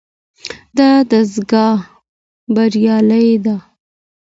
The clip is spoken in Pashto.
دا دستګاه بریالۍ ده.